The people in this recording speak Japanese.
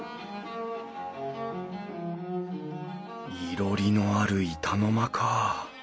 いろりのある板の間か。